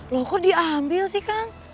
loh kok diambil sih kang